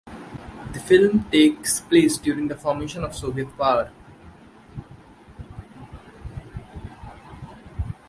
The film takes place during the formation of Soviet power.